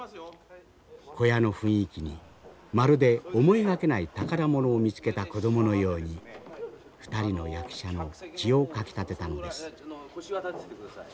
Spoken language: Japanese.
小屋の雰囲気にまるで思いがけない宝物を見つけた子供のように２人の役者の血をかきたてたのです。